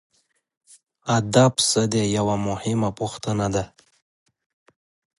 ادب څه دی یوه مهمه پوښتنه ده.